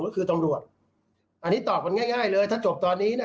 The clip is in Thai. ก็คือตำรวจอันนี้ตอบกันง่ายเลยถ้าจบตอนนี้นะ